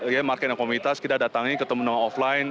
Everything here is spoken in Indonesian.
ya marketing komunitas kita datangin ketemu dengan offline